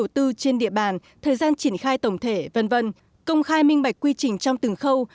trên địa bàn thời gian triển khai tổng thể v v công khai minh bạch quy trình trong từng khâu